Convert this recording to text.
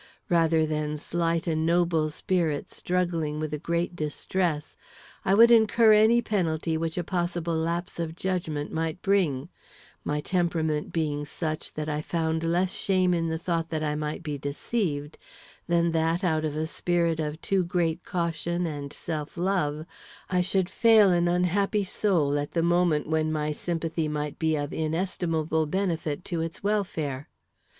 Rather than slight a noble spirit struggling with a great distress, I would incur any penalty which a possible lapse of judgment might bring; my temperament being such that I found less shame in the thought that I might be deceived, than that, out of a spirit of too great caution and self love, I should fail an unhappy soul at the moment when my sympathy might be of inestimable benefit to its welfare.